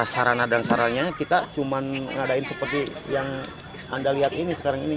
sarana dan saranya kita cuma ngadain seperti yang anda lihat ini sekarang ini